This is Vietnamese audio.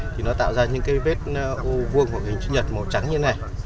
thì nó tạo ra những cái vết ô vương hoặc hình chữ nhật màu trắng như thế này